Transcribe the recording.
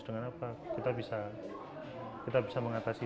dengan apa kita bisa mengatasi